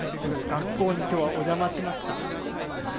学校にきょうはお邪魔しました。